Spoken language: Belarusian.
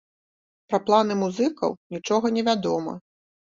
Пра планы музыкаў нічога не вядома.